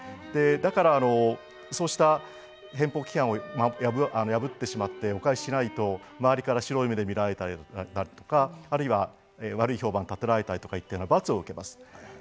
だから、そうした返報規範を破ってしまってお返しをしないと周りから白い目で見られたりとかあるいは悪い評判をかけられたり罰を受けます。